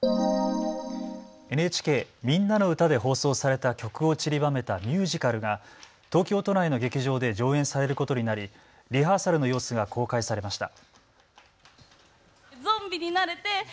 ＮＨＫ、みんなのうたで放送された曲をちりばめたミュージカルが東京都内の劇場で上演されることになりリハーサルの様子が公開されました。